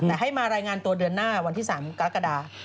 แต่ให้มารายงานตัวเดือนหน้าวันที่๓กรกฎา